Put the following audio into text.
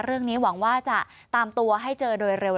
เรื่องนี้หวังว่าจะตามตัวให้เจอโดยเร็ว